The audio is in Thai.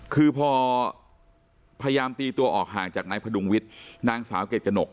คือพอพยายามตีตัวออกห่างจากนายพดุงวิทย์นางสาวเกรดกระหนก